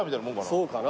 そうかな。